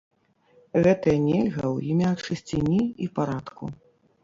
Гэтае нельга ў імя чысціні і парадку.